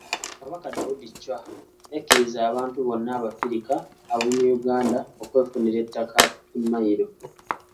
Kabaka Daudi Chwa yakkiriza abantu bonna Abafrika ab'omu Uganda okwefunira ettaka ku mailo.